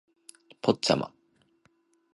ポッチャマ